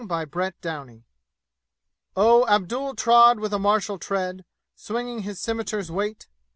Chapter IX Oh, Abdul trod with a martial tread, Swinging his scimiter's weight.